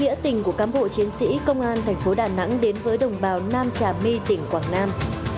khi nghĩa tình của cám bộ chiến sĩ công an tp đà nẵng đến với đồng bào nam trà my tỉnh quảng nam